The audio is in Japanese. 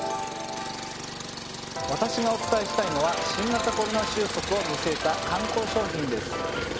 私がお伝えしたいのは新型コロナ収束を見据えた観光商品です。